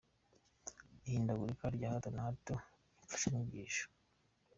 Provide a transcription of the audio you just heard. Ihindagurika rya hato na hato ry’imfashanyigisho.